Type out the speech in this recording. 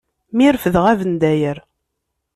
Mi refdeɣ abendayer.